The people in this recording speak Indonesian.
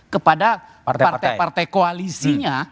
kepada partai partai koalisinya